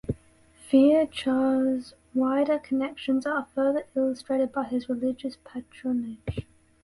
Fearchar's wider connections are further illustrated by his religious patronage.